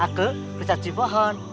aku pecah cipohon